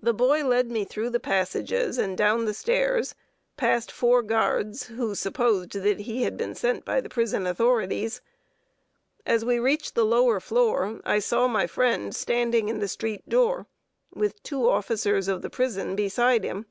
The boy led me through the passages and down the stairs, past four guards, who supposed that he had been sent by the prison authorities. As we reached the lower floor, I saw my friend standing in the street door, with two officers of the prison beside him.